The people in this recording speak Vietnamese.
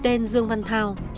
từ điên dương văn thao